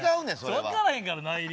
分からへんから内陸。